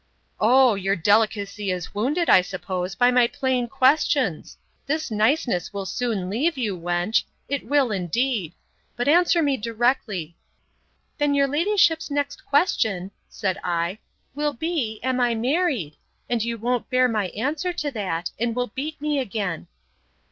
O! your delicacy is wounded, I suppose, by my plain questions!—This niceness will soon leave you, wench: It will, indeed. But answer me directly. Then your ladyship's next question, said I, will be, Am I married? And you won't bear my answer to that—and will beat me again.